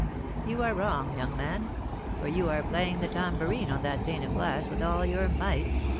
"You are wrong, young man; for you are playing the tambourine on that pane of glass with all your might.